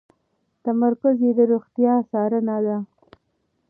تمرکز یې د روغتیا څارنه ده.